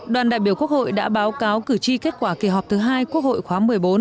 đoàn đại biểu quốc hội đã báo cáo cử tri kết quả kỳ họp thứ hai quốc hội khóa một mươi bốn